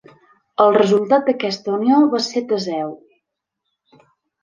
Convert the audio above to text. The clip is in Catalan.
El resultat d'aquesta unió va ser Teseu.